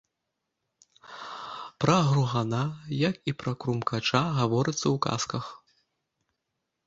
Пра гругана, як і пра крумкача, гаворыцца ў казках.